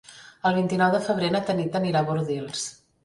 El vint-i-nou de febrer na Tanit anirà a Bordils.